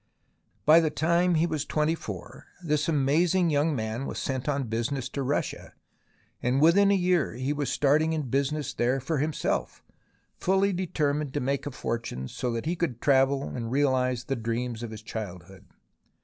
By the time he was twenty four, this amazing young man was sent on business to Russia, and within a year he was starting in business there for himself, fully determined to make a fortune so that he could travel and realize the dreams of his childhood.